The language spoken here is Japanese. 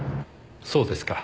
そうですか。